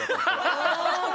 ハハハハハ！